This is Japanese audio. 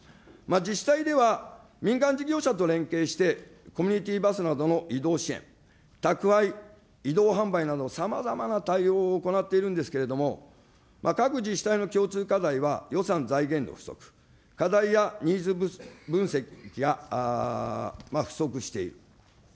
自治体では、民間事業者と連携して、コミュニティーバスなどの移動支援、宅配、移動販売などさまざまな対応を行っているんですけれども、各自治体の共通課題は予算財源の不足、課題やニーズ分析が不足している。